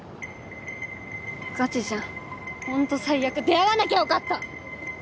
がちじゃんほんと最悪出会わなきゃ良かった。